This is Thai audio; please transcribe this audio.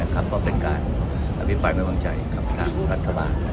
ก็เป็นการอภิปรายไม่วางใจกับทางรัฐบาล